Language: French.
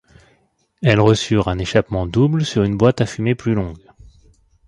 Elles reçurent un échappement double sur une boîte à fumée plus longue.